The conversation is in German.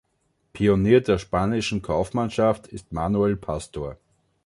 Pionier der spanischen Kaufmannschaft ist Manuel Pastor.